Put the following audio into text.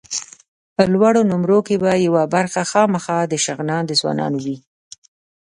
لوړو نومرو کې به یوه برخه خامخا د شغنان د ځوانانو وي.